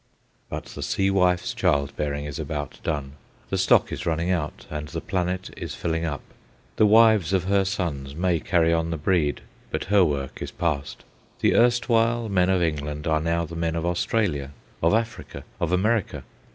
But the Sea Wife's child bearing is about done. The stock is running out, and the planet is filling up. The wives of her sons may carry on the breed, but her work is past. The erstwhile men of England are now the men of Australia, of Africa, of America.